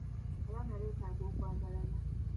Abaana beetaaga okwagalana.